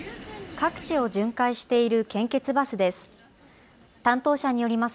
各地を巡回している献血バスです。